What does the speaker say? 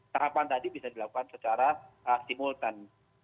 tahapan tadi bisa dilakukan secara simultan